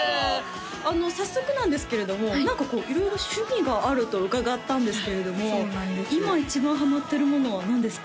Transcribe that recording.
あの早速なんですけれども何かこう色々趣味があると伺ったんですけれども今一番ハマってるものは何ですか？